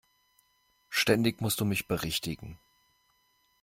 Ständig musst du mich berichtigen!